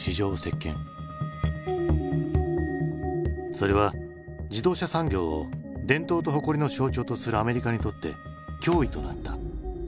それは自動車産業を伝統と誇りの象徴とするアメリカにとって脅威となった。